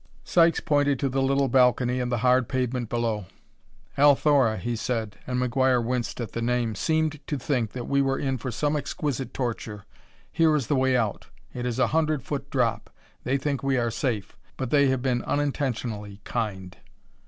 Sykes pointed to the little balcony and the hard pavement below. "Althora," he said, and McGuire winced at the name, "seemed to think that we were in for some exquisite torture. Here is the way out. It is a hundred foot drop; they think we are safe; but they have been unintentionally kind."